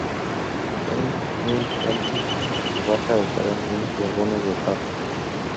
Él ve el puente que baja a dejar algunos vagones de paja.